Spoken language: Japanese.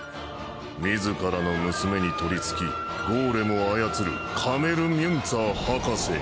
自らの娘に取り憑きゴーレムを操るカメル・ミュンツァー博士に。